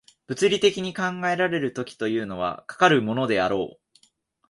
物理的に考えられる時というのは、かかるものであろう。